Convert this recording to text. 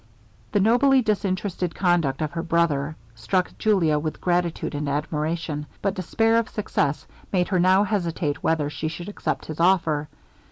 The nobly disinterested conduct of her brother, struck Julia with gratitude and admiration; but despair of success made her now hesitate whether she should accept his offer.